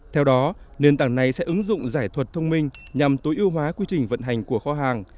theo đó nền tảng này sẽ ứng dụng giải thuật thông minh nhằm tối ưu hóa quy trình vận hành của kho hàng